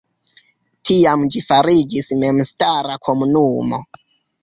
Tiam ĝi fariĝis memstara komunumo.